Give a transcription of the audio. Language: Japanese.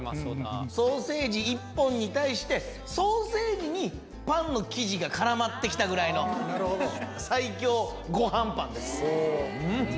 ソーセージ１本に対してソーセージにパンの生地が絡まってきたぐらいの最強ごはんパンです。